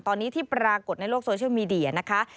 ตอนนี้ที่ปรากฏในโลกโซเชียลมีเดียนะคะ